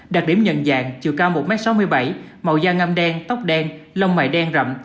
đặc điểm nhận dạng chiều cao một m sáu mươi bảy màu da ngâm đen tóc đen lông mày đen rậm